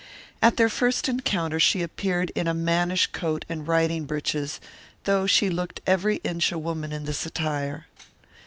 At their first encounter she appeared in a mannish coat and riding breeches, though she looked every inch a woman in this attire.